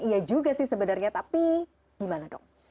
iya juga sih sebenarnya tapi gimana dong